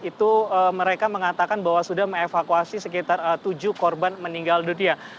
itu mereka mengatakan bahwa sudah mengevakuasi sekitar tujuh korban meninggal dunia